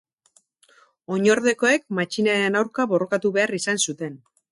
Oinordekoek matxinaden aurka borrokatu behar izan zuten.